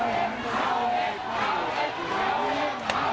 วิทยาลัยเมริกาวิทยาลัยเมริกา